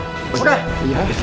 waalaikumsalam bang fei